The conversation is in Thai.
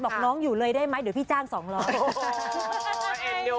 ปล่อยให้อยู่คนเดียวกับปล่อยขัดหม้อ